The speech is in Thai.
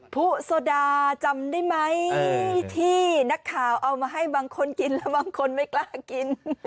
ผู้โซดาจำได้ไหมที่นักข่าวเอามาให้บางคนกินแล้วบางคนไม่กล้ากิน